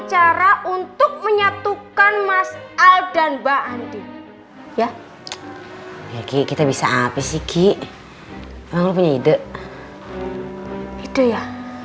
cara untuk menyatukan mas al dan mbak andi ya kita bisa api sih ki penghubung ide ide ya